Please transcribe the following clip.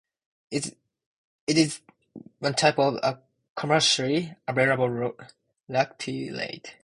It is one type of a commercially available lactylate.